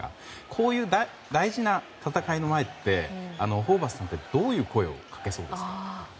こういう大事な戦いの前ってホーバスさんってどんな声をかけそうですか？